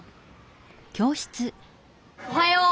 おはよう。